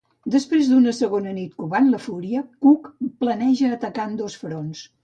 Després d'una segona nit covant la fúria, Cook planeja atacar en dos fronts.